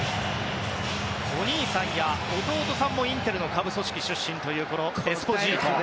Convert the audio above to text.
お兄さんや弟さんもインテルの下部組織出身というこのエスポジート。